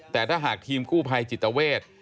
แต่ถ้าหากทีมกู้ภัยจิตเวท